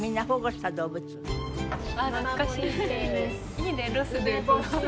いいねロスで。